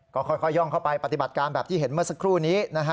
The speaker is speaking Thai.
ก็ค่อยย่องเข้าไปปฏิบัติการแบบที่เห็นเมื่อสักครู่นี้นะฮะ